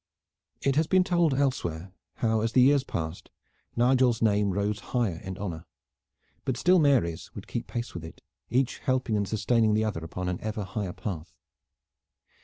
It has been told elsewhere how as the years passed Nigel's name rose higher in honor; but still Mary's would keep pace with it, each helping and sustaining the other upon an ever higher path.